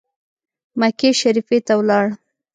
مکې شریفي ته ولاړ.